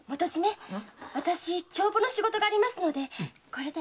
私帳簿の仕事がありますのでこれで。